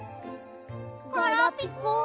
ガラピコ？